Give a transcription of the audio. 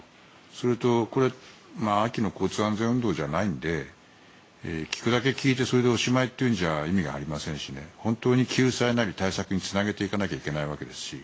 それとこれ秋の交通安全運動じゃないので聞くだけ聞いてそれでおしまいというんじゃ意味がありませんし本当に救済なり対策につなげていかないといけないですし。